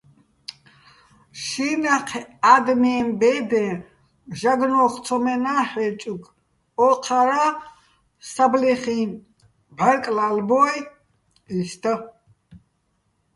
შინაჴ ადმეჼ ბე́დეჼ ჟაგნო́ხ ცომენა́ ჰ̦ე́ჭუგე̆, ო́ჴარა́, საბლეხიჼ ბჵარკ ლალბო́ჲ, ის და.